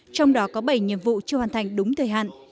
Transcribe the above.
trong đó có bảy nhiệm vụ chưa hoàn thành đúng thời hạn